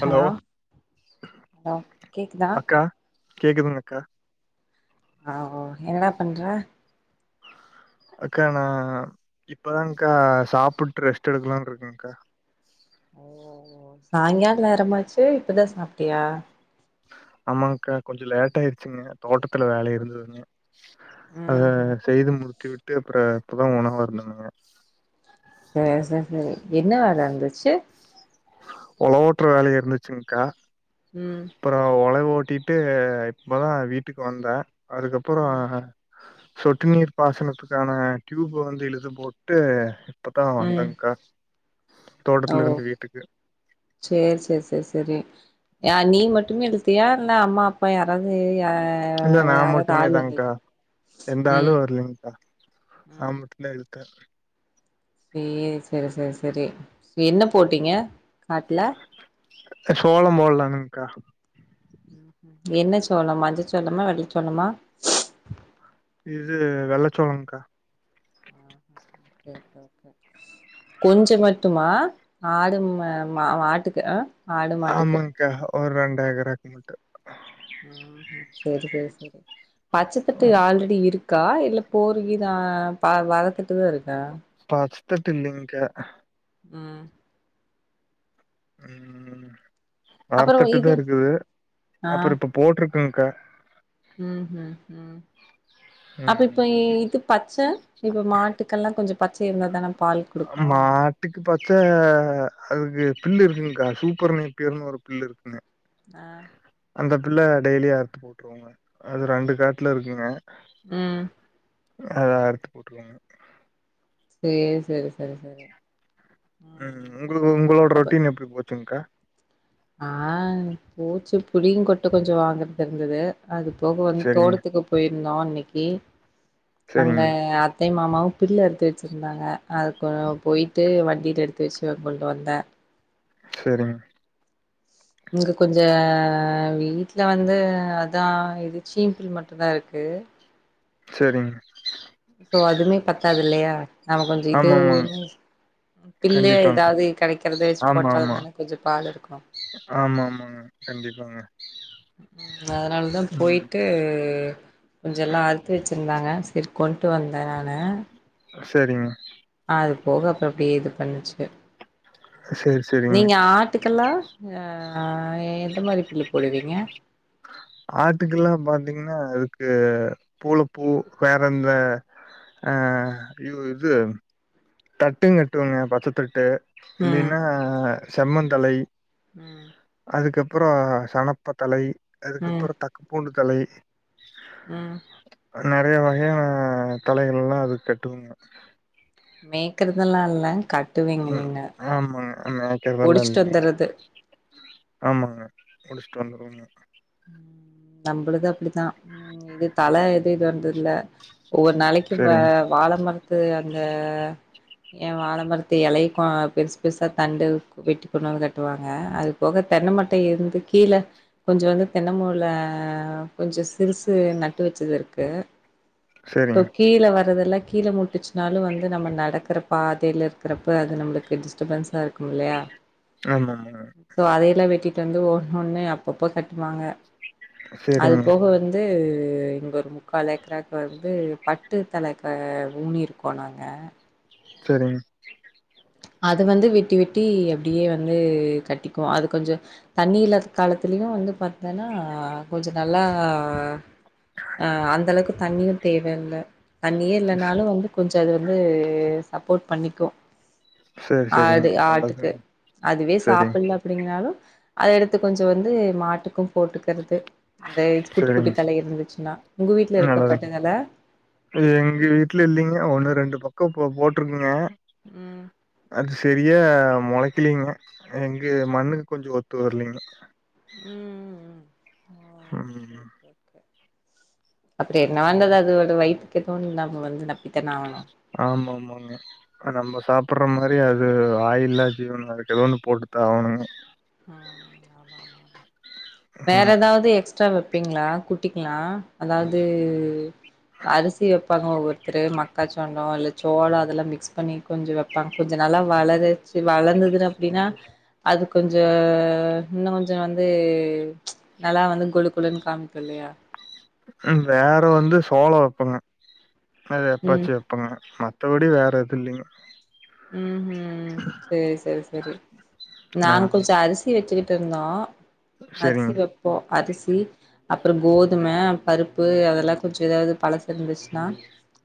Hello hello கேக்குதா அக்கா கேக்குதுங்க அக்கா ஆ ஓ என்ன பண்ற அக்கா நா இப்பதாங்கா சாப்புட்டு ரெஸ்ட் எடுக்கலான்ட்ருக்கேங்கா ஓ ஓ சாய்ங்காலோ நேறமாச்சு இப்பதா சாப்ட்டியா ஆமாங்கா கொஞ்சோ லேட்டாயிடுச்சுங்க தோட்டத்துல வேல இருந்ததுங்க அத ம் ம் செய்து முடித்து விட்டு அப்புறோ இப்பதா உணவாருந்தன்ங்க ச சர் சரி என்ன வேல இருந்துச்சு ஒளவு ஓட்டுற வேல இருந்துச்சுங்க்கா ம் அப்புறோ ஒளவு ஓட்டிட்டு இப்பதா வீட்டுக்கு வந்த அதுக்கப்புறோ ம் சொட்டு நீர் பாசனத்துக்கான டியூப் வந்து இழுத்து போட்டு இப்பதா ம் வந்தங்கா ஓ செர் செரி செரி செரி ஏ நீ மட்டுமே இழுத்தியா இல்ல அம்மா அப்பா யாராவது யா இல்ல நா யாராவது மட்டுமே ஆள் வந்தீங்க தான்கா எந்த ஆளு ம் வரலேங்கா ஆன் மட்டுந்தா இழுத்தே செர் செரி செரி செரி என்ன போட்டீங்க காட்ல க்கா சோளம் போல்லங்கா ம் ம் என்ன சோளம் மஞ்ச சோளமா வெள்ள சோளமா இது வெள்ளச்சோளங்கா ஓகே ஓகே ஓகே கொஞ்சோ மட்டுமா ஆடு ம மாட்டுக்கு ஆடு மாட்டுக்கு ஆமாங்கா ஒரு ரெண்டேக்கரு மட்டு ம் ஷும் செரி செரி செரி பச்சத்தட்டு ஆல்ரெடி இருக்கு இருக்கா இல்ல போருகிரு பாதி வளத்துட்டு இருக்கா தட்டல்லைங்கா ம் ம் ம் அப்பறோ வரத்தட்டு தா இது இருக்குது ஆ அப்புறோ இப்ப போட்ருக் குங்கா ம் ம் ஷும் அப்ப இப்ப ம் இது பச்ச இப்ப மாட்டுக்கெல்லாம் கொஞ்சம் பச்ச இருந்தா தான பால் குடுக்கு மாட்டுக்கு பச் அ அதுக்கு பில்லு இருக்குங்க்கா சூப்பர் நேட்டிவ் ன்னு ஒரு பில்லு இருக்குங்க ஆ அந்த பில்ல டெய்லி அறுத்து போட்டுருவோங்க அது ரெண்டு காட்டுல இருக்குங்க உஹ் அத அறுத்து போட்டுருவோங்க சேரி செரி செரி செரி உம் உங்களுக்கு உங்களோட ரொட்டீன் எப்படி போச்சுங்க்கா ஆஹ் பூச்சு புடியும் கொட்டு கொஞ்சம் வாங்குறது இருந்தது அது போக வந்து சரிங்க தோட்டத்துக்கு போயிருந்தோம் இன்னைக்கு அங்க சரிங்க என் அத்தையும் மா மாவும் புல்லு அறுத்து வச்சிருந்தாங்க அது கொ போயிட்டு வண்டியில எடுத்து வச்சு கொண்டு வந்தேன் சரிங்க இங்க கொஞ்சம் வீட்டு்ல வந்து அதான் இது சீம்பிள் மட்டும்தான் இருக்கு பே சரிங்க சோ அதுமே பத்தாது இல்லையா நாம கொஞ்சம் ஆமா ஆமாங்க இதுவுமே பில்லு கண்டிப்பாங்க ஏதாவது கிடைக்கிறது வச்சு ஆமா ஆமா போட்டாலும் தானே கொஞ்சம் பால் இருக்கும் உ கண்டிப்பாங்க உம் அதனாலதான் ம். போயிட்டு கொஞ்சம் எல்லாம் அறுத்து வச்சிருந்தாங்க சேரி கொண்டு வந்தேன் நானு சரிங்க அது போக அப்புறம் பேது பண்ணுச்சுங்க சரி, சரிங்க. நீங்க ஆட்டுக்கெல்லாம் அஹ் அஹ் எந்த மாதிரி புல்லு போடுவீங்க ஆட்டுக்கெல்லாம் பாத்தீங்கன்னா அதுக்கு பூளப்பூ வேற எந்த அஹ் இ இது தட்டும் கட்டுவாங்க பச்சத்தட்டு ம் இல்லைன்னா செம்மந்தழை ம் அதுக்கப்புறம் சணப்ப தழை அதுக்கப்புறம் தக்கு பூண்டு தழை உஹ் நெறைய வகையான தழைகள் எல்லாம் அது கட்டுவாங்க மேய்க்குறதெல்லாம் இல்ல கட் உம் ஆமா மேய்க்குறதுல்லாம் ஒடிச்சிட்டு இல்லங்க வந்துறது ஆமாங்க முடிச்சுட்டு வந்துருவோங்க நம்மளது அப்டித்தான் ம் இது தல எது இதுன்னு தெரில ஒவ்வொரு நாளைக்கும் வ சரிங்க, வாழ மரத்து அந்த ஏன் வாழமரத்து இலைக்கும் பெருசு பெருசா தண்டு வெட்டி கொண்டு வந்து தட்டுவாங்க அது போக தென்னமட்டை இருந்து கீழ கொஞ்சம் வந்து தென்னமூல கொஞ்சம் சிறுசு நட்டு வச்சது இருக்கு சோ சரிங்க. கீழ வ ரதெல்லா கீழ முட்டுச்சுனாலும் வந்து நம்ம நடக்குற பாதையில இருக்குறப்ப அது நம்மளுக்கு டிஸ்டபன்ஸா இருக்கும் இல்லயா ஆமாமாங்க. சோ அதையெல்லாம் வெட்டிட்டு வந்து ஒண்ணு ஒண்ணு அப்பப்ப கட்டுவாங்க அது சரிங்க, போக வந்து அது இங்க ஒரு முக்கால் ஏக்கருக்கு வந்து பட்டு தழக ஊனிருக்கோம் நாங்க சரிங்க அது வந்து வெட்டி வெட்டி அப்டியே வந்து கட்டிக்கும் அது கொஞ்சம் தண்ணி இல்லாத காலத்துல இதுவும் வந்து பாத்தேன்னா கொஞ்சம் நல்லா அ அந்த அளவுக்கு தண்ணியும் தேவையில்ல தண்ணியே ச இல்லனாலும் வந்து கொஞ்சம் அது வந்து சப்போர்ட் பண்ணிக்கும் சரி, சரிங்க. ஆடு ஆட்டுக்கு நல்லதுங்க. அதுவே சரிங்க, சாப்பிட்ல அப்டிங்கனாலும் அத எடுத்து கொஞ்ச வந்து மாட்டுக்கு போட்டுக்கறது அந்த குட்டி குட்டி சரிங்க. தல இருந்துச்சுன்னா உங்க வீட்டுல நல்லதுங்க. இருக்கப்பட்டங்கல எங்க வீட்டுல இல்லிங்க ஒண்ணு ரெண்டு பக்கோ போ போட்ருக்குங்க ம் அ சரியா மொளைக்கலிங்க எங்க மண்ணுக்கு கொஞ்ச ஒத்து வரலீங்க ம் ம் அப்டியே மளந்தது அதுவோட வைத்து பக்கோ வந்து நாங்க வந்து நப்பித்தான ஆவணு ஆமா ஆமாங்க நம்ம சாப் புற மாரி அது வாயில்லா ஜீவன் அதுக்கு ஏதோ ஒன்னு போட்டுதா ஆகணுங்க வேற ம். ஏதாவது எக்ஸ்ட்ரா வெ வைப்பீங்களா குட்டிக்கிலா அதாவது அரிசி வைப்பாங்க ஒவ்வொ ருத்தரு மக்காச்சோள இல்ல சோளோ அதெல்லா மிக்ஸ் பண்ணி கொஞ்ச வப்பாங்க கொஞ்ச நல்லா வளருச் வளர் துன்னு அப்படின்னா அது கொஞ்ச இன்னு கொஞ்ச வந்து ச் நல்லா வந்து கொழு கொழுன்னு காமிக்கு இல்லையா வேற வந்து சோளம் வப்பங்க அத ம் எப்பாச்சு வைப்போங்க மத்தவடி வேற எது இல்லிங்க ம் ம் செரி செரி செரி நாங்க ஆமாங்க. கொஞ்ச அரிசி வெச்ச மட்டு தா அரிசி சரிங்க, வைப்போ அரிசி அப்புறம் கோதும பருப்பு அதெல்லா கொஞ்சோ ஏதாவது பழசு இருந்துச்சுன்னா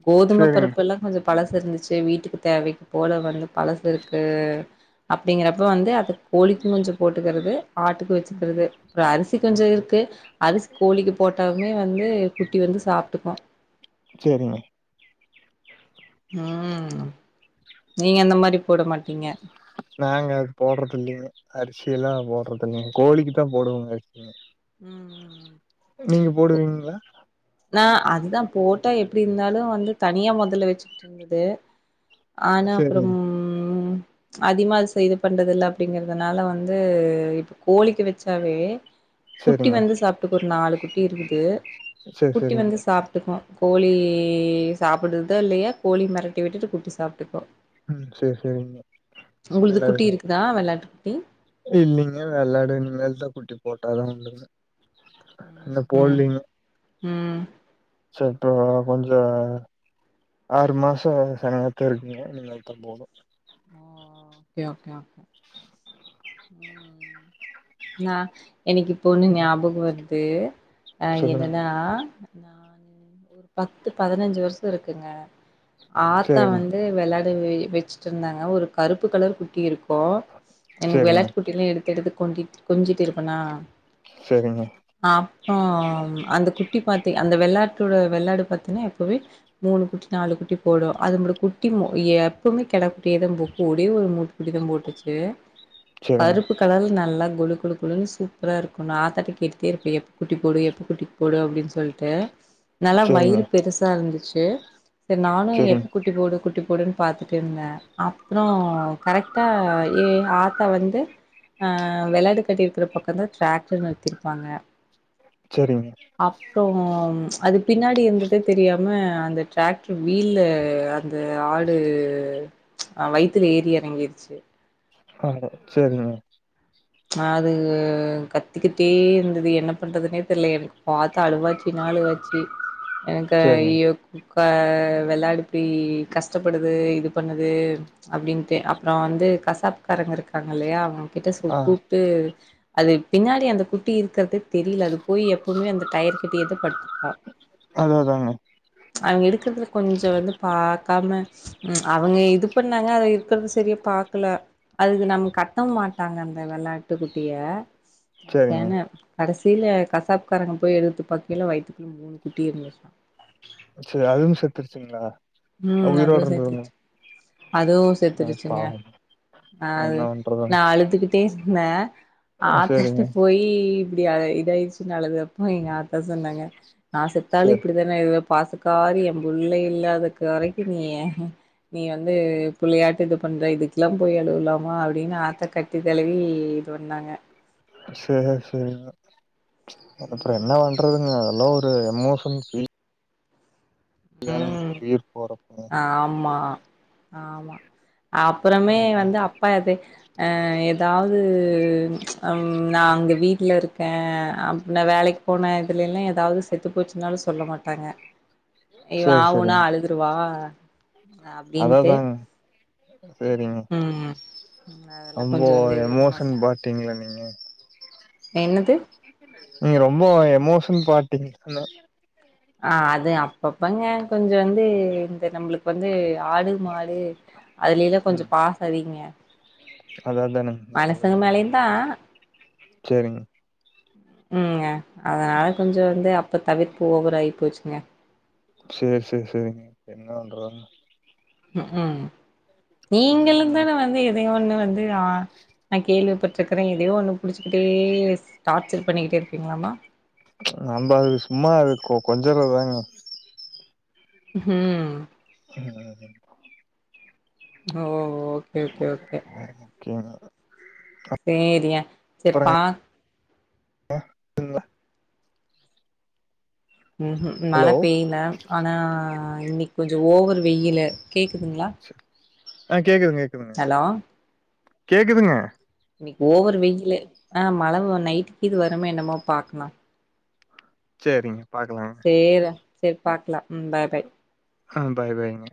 கோதும சரிங்க, பருப்பெல்லா கொஞ்சோ பழசு இருந்துச்சு வீட்டுக்கு தேவைக் போல வந்து பழசு இருக்கு அப்படிங்கறப்ப வந்து அது கோழிக்கு கொஞ்சோ போட்டுக்கறது ஆட்டுக்கு வச்சுக்கிறது அப்புரோ அரிசி கொஞ்சோ இருக்கு அரிசி கோழிக்கு போட்டவுமே வந்து குட்டி வந்து சாப்ட்டுக்கு செரிங்க ம் நீங்க அந்த மாரி போட மாட்டீங்க நாங்க அது போடுறது இல்லிங்க அரிசி எல்லா போடுறது இல்லிங்க கோழிக்கு தா போடுவோங்க ம் ம் ம் நீங்க போடுவீங்களா நா அதுதா போட்டா எப்டி இருந்தாலு வந்து தனியா மொதல்ல வச்சுட்டு இருந்தது ஆனா சரிங்க அப்புறம் அதிகமா சே இது பண்றதில்ல அப்படிங்கறதுனால வந்து இப்ப கோழிக்கு வச்சாவே குட்டி சரிங்க வந்து சாப்ட்டுக்கு ஒரு நாலு குட்டி இருக்குது சரி குட்டி வந்து சரிங்க சாப்ட்டுக்கு கோழி சாப்புடுதுதோ இல்லையா கோழி மெரட்டி விட்டுட்டு குட்டி சாப்ட்டுக்கோ ம் சரி சரிங்க உங்களுக்கு குட்டி இருக்குதா வெளாட்றதுக் இல்லீங்க வெள்ளாடு இனிமேல்தா குட்டி போட்டாதா உண்டுங்க. இன்னு ம் போட்லீங்க. ம் இப்போ கொஞ்சோ ஆறு மாச செனையாத்தா இருக்குங்க நீங்க அதுக்தா phone. Okay okay okay ம். நா எனக்கு இப்ப ஒன்னு ஞாபகொ வர்து அ சொல்லுங்க என்னென்னா நானு ஒரு பத்து பதினஞ்சு வர்ஷோ இருக்குங்க ஆத்தா சரிங்க வந்து வெள்ளா வெ வெச்சுட்டு இருந்தாங்க ஒரு கருப்பு கலர் குட்டி இருக்கு. எனக்கு சரிங்க வெள்ளாட்டு குட்டில்லா எடுத்து எடுத்து கொண்டிட் கொஞ்சிட்டு இருப்பனா சரிங்க அப்றோ அந்த குட்டி பாத்தி அந்த வெள்ளாட்டு டுட வெள்ளாடு பாத்தினா எப்புவே மூணு குட்டி நாலு குட்டி போடு அதும்முட குட்டி மு எ எப்புமே கெடா கு டடேதம்பு ஒடே ஒரு மூக் குட்டி தாம் போட்டுச்சு சரிங்க கருப்பு கலர்ல் நல்லாக் கொழு கொழு கொழுன்னு சூப்பராருக்கு நா ஆத்தாட்ட கேட்டுட்டேருப்பே எப்ப குட்டி போடு எப்ப குட்டி போடு அப்டின் சொல்ட்டு. நல்லா சரிங்க வயிறு பெருசா இருந்துச்சு செரி நானு சரிங்க எப்ப குட்டி போடு குட்டி போடுன் பாத்துட்டு இருந்தே அப்புறோ கரெக்ட்டா ஏ ஆத்தா வந்து ஆ வெள்ளாடு கட்டி இருக்கற பக்க தா ட்ராக்டர் நிறுத்திருப்பாங்க சரிங்க அப்றோ அது பின்னாடி இருந்ததே தெரியாம அந்த டிராக்ட்ர் வீலு அந்த ஆடு அவ் வய்த்துல ஏறி எறங்கிருச்சு. ஆட சேரிங்க. அதுகு கத்திக்கிட்டே இருந்துது என்ன பண்றதுனே தெர்ல எனக்கு பாத்து அழுவாச்சினா அழுவாச்சி. எனக்கு சரிங்க அய்யோ குக்க வெள்ளாடு இப்டி கஷ்டப்படுது இது பண்ணுது அப்டின்ட்டு அப்புறோ வந்து கசாப்பு காரங்க இருக்காங்க இல்லையா அவங்கிட்ட ஆ சூப் கூப்ட்டு அது பின்னாடி அந்த குட்டி இருக்கற்தே தெரில அது போய் எப்புமே அந்த டயர் கிட்டயேதா படுத்துரு அ அதா அதாங்க அங்க எடுக்கறதுல கொஞ்ச இது வந்து பாக்காம ம் அவுங்க இது பண்ணாங்க அது இருக்கற்து செரியா பாக்கல அது நம் கட்டவு மாட்டாங்க அந்த வெள்ளாட்டுக் குட்டிய சரிங்க சென கடைசில கசாப்பு காரங்க போய் எடுத்து பாக்கைல வயித்துக்குள்ள மூனு குட்டி இருந்துச்சா சேரி அதுவு செத்துருச்சிங்ளா உம் அதுவு செத்துருச்சு அதுவு ஆ செத்துருச்சுங்க பாவம் அ என்ன பண்றதுங் நா அழுதுகிட்டே ஸ்ன்ன ஆத்தா கிட்ட சேரிங்க போயி இப்டி அல இதாயிருச்சின் அழுதப்ப எங்க ஆத்தா சொன்னாங்க நா செத்தாலு சேர் இப்டிதான இவப் பாசக்காரி எம்புள்ளை இல்லாதக் இதுவரைக்கு நீ நீ வந்து புள்ளியாட்டு இது பண்ற இதுக்லாம் போய் அழுவுலாமா அப்டினு ஆத்தா கட்டி தழுவி இது பண்ணாங்க சேர் சேர் அப்ற ம் என்ன பண்றதுங்க எல்ல ஒரு எமோஷன் பீல் இதானுங் கீர் ஆம்மா ஆமா அப்றமே ம் வந்து அப்பா அது அ ஏதாவது உம் நா அங்க வீட்ல இருக்கே அ நா வேலைக்கு போன இதுலிலா ஏதாவது செத்து போச்சுனாலு சொ சொல்ல மாட்டாங்க இவ சேரி ஆவுனா சேரிங்க அழுதுருவா அப்டின்ட்டு அததாங்க சேரிங்க உம் ம் அதல கொஞ்ச ரொம்போ வந்து இது பண்ண எமோஷன் மாட்ட பாட்டீங்களா நீங்க என்னது நீங்க ரொம்போ எமோஷன் பார்டீங் அனால ஆ அது அப்பப்பங்க கொஞ்ச வந்து இந்த நம்மளுக்கு வந்து ஆடு மா டு அதுலேல்ல கொஞ்ச ம் பாச அதிகங்க அது அதானுங்க மனுசங்க மேலயு தா செரிங்க உம்ங்க அதனால கொஞ்ச வந்து அப்ப தவிர்ப்பு ஓவராகிப் போச்சுங்க சேர் சேர் செரிங்க என்னா பண்றாது உம் ம் நீங்களு ம் தான வந்து எதையோ ஒண்ணு வந்து தா நா கேள்விப்பட்டிருக்கிறே ஏதையோ ஒண்ணு புடிச்சுக்கிட்டே டார்ச்சர் பண்ணிக்கிட்டே இரு ப்பீங்களாமா நம்ப அது சும்மா அது கொஞ்சுரது தாங்க உம் ம் ஓ ஓகே ஓகே ஓகே கே தா தா செரியா சேர் பா [unintelligible] உஹும் ஹலோ மழை பெய்ல ஆனா இன்னைக்கு கொஞ்சோ ஓவர் வெய்யிலு கேக்குதுங்ளா ஆ கேக்குதுங்க கேக்குதுங்க கேக்குதுங்க இன்னைக்கு ஓவர் வெயிலு ஆ மழை நைட்டுகீது வருமோ என்னமோ பாக்கலா சேரிங்க சேர்ரா சேரி பாக்கலா ம் பாய் பாய் ஆ பாய் பாய்ங்க